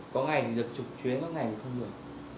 có ngày thì được chục chuyến có ngày thì không được